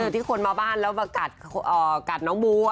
ที่คนมาบ้านแล้วมากัดน้องมู